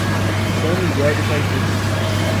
São Miguel de Taipu